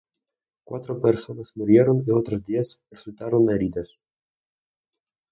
Cuatro personas murieron y otras diez resultaron heridas.